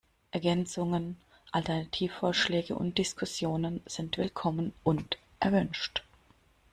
Ergänzungen, Alternativvorschläge und Diskussionen sind willkommen und erwünscht.